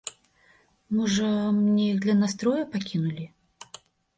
Можа, мне іх для настроя пакінулі?